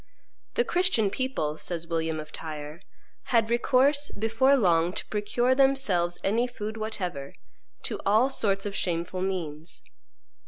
"The Christian people," says William of Tyre, "had recourse before long, to procure themselves any food whatever, to all sorts of shameful means.